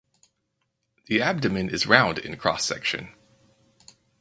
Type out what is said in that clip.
The abdomen is round in cross section.